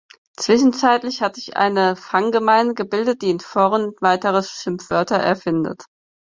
Zwischenzeitlich hat sich eine Fangemeinde gebildet, die in Foren weitere Schimpfwörter erfindet.